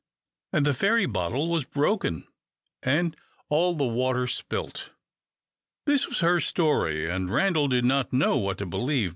And the fairy bottle was broken, and all the water spilt. This was her story, and Randal did not know what to believe.